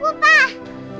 itu buat aku pak